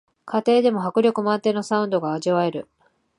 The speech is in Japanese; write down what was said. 家庭でも迫力満点のサウンドが味わえる